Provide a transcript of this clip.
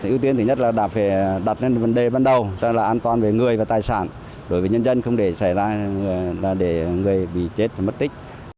ưu tiên thứ nhất là đặt lên vấn đề ban đầu tức là an toàn về người và tài sản đối với nhân dân không để xảy ra là để người bị chết và mất tích